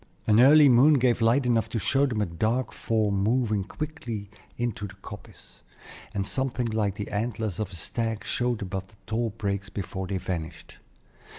An early moon gave light enough to show them a dark form moving quickly into the coppice, and something like the antlers of a stag showed above the tall brakes before they vanished.